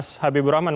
mas habibur rahman